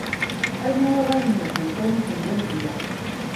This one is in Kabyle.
Armi uɣalen medden ttawin-ten d amedya!